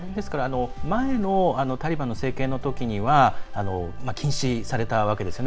前のタリバンの政権のときには禁止されたわけですよね。